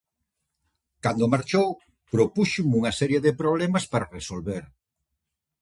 Cando marchou, propúxome unha serie de problemas para resolver.